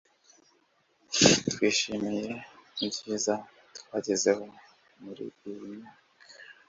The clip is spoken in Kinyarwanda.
twishimiye ibyiza twagezeho muri iyi myaka